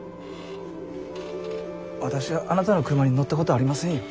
私はあなたの車に乗ったことありませんよ。